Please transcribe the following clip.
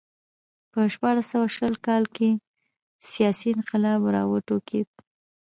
په شپاړس سوه شل کال کې سیاسي انقلاب راوټوکېد